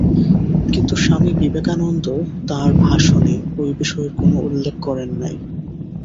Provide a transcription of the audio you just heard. কিন্তু স্বামী বিবেকানন্দ তাঁহার ভাষণে ঐ বিষয়ের কোন উল্লেখ করেন নাই।